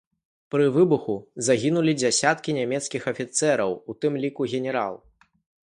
Пры выбуху загінулі дзясяткі нямецкіх афіцэраў, у тым ліку генерал.